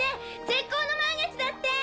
絶好の満月だって！